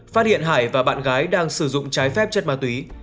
phát hiện hải và bạn gái đang sử dụng trái phép chất ma túy